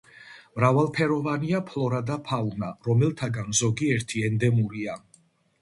მრავალფეროვანია ფლორა და ფაუნა, რომელთაგან ზოგიერთი ენდემურია.